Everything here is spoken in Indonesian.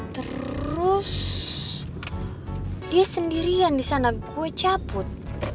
terus dia sendirian disana gue cabut